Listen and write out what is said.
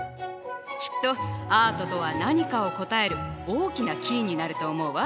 きっと「アートとは何か」を答える大きなキーになると思うわ。